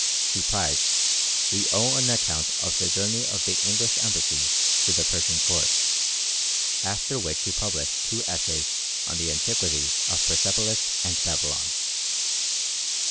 To Price we owe an account of the journey of the English embassy to the Persian court, after which he published two essays on the antiquities of Persepolis and Babylon.